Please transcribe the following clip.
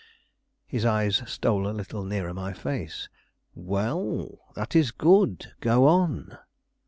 His eyes stole a little nearer my face. "Well! that is good; go on."